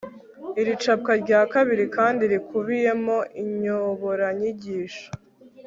iri capwa rya kabiri kandi rikubiyemo inyoboranyigisho